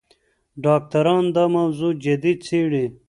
ډاکټران دا موضوع جدي څېړي.